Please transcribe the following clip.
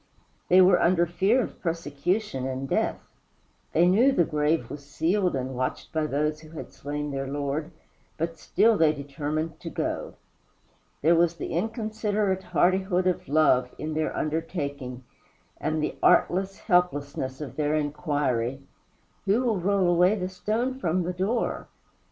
They were under fear of persecution and death; they knew the grave was sealed and watched by those who had slain their Lord, but still they determined to go. There was the inconsiderate hardihood of love in their undertaking, and the artless helplessness of their inquiry, "Who will roll away the stone from the door?"